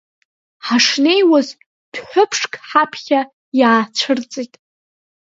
Ҳашнеиуаз, дәҳәыԥшк ҳаԥхьа иаацәырҵит.